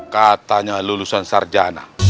katanya lulusan sarjana